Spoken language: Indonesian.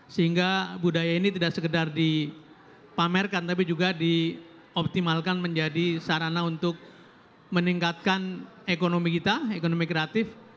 sehingga budaya ini tidak sekedar dipamerkan tapi juga dioptimalkan menjadi sarana untuk meningkatkan ekonomi kita ekonomi kreatif